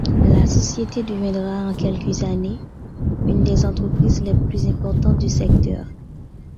La société deviendra en quelques années une des entreprises les plus importantes du secteur.